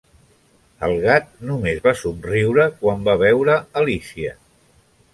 El gat només va somriure quan va veure Alícia.